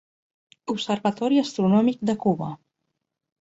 Observatori Astronòmic de Cuba.